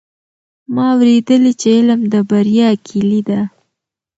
ما اورېدلي چې علم د بریا کیلي ده.